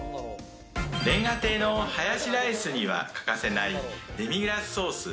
煉瓦亭のハヤシライスには欠かせないデミグラスソース。